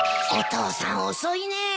お父さん遅いね。